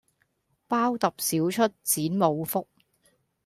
包揼少出剪冇福